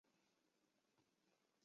蒙古族。